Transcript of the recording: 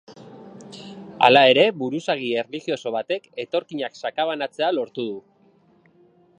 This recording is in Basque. Hala ere, buruzagi erlijioso batek etorkinak sakabanatzea lortu du.